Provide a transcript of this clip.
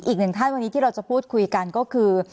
อีกหนึ่งท่านวันนี้ที่เราจะพูดคุยกันก็คือ